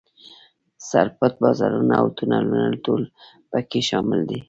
سر پټ بازارونه او تونلونه ټول په کې شامل دي.